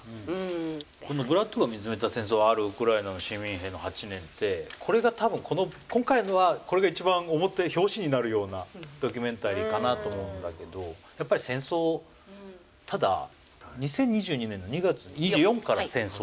この「ブラッドが見つめた戦争あるウクライナの市民兵の８年」ってこれが多分今回のはこれが一番表表紙になるようなドキュメンタリーかなと思うんだけどやっぱり戦争ただ２０２２年の２月２４から戦争じゃない？